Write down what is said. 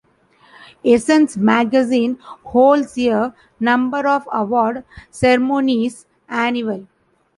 Essence magazine holds a number of award ceremonies annual.